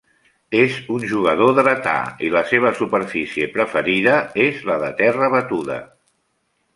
És un jugador dretà i la seva superfície preferida és la de terra batuda.